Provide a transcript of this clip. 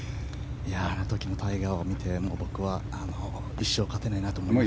あの時のタイガーを見て一生勝てないなと思いました。